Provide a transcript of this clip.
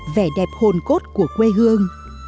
vẻ đẹp hồn cốt của quê hương